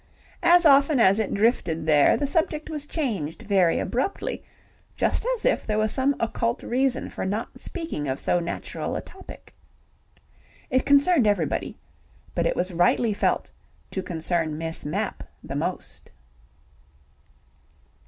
As often as it drifted there the subject was changed very abruptly, just as if there was some occult reason for not speaking of so natural a topic. It concerned everybody, but it was rightly felt to concern Miss Mapp the most.